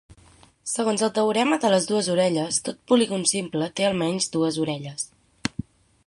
Segons el teorema de les dues orelles, tot polígon simple té almenys dues orelles.